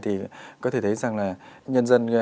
thì có thể thấy rằng là nhân dân nghe